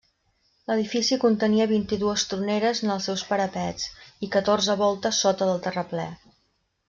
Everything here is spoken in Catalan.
L'edifici contenia vint-i-dues troneres en els seus parapets, i catorze voltes sota del terraplè.